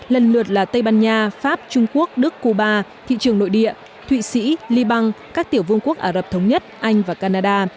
lần lượt là tây ban nha pháp trung quốc đức cuba thị trường nội địa thụy sĩ liban các tiểu vương quốc ả rập thống nhất anh và canada